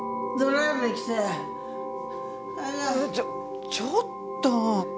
ちょちょっと。